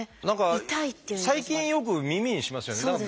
何か最近よく耳にしますよね。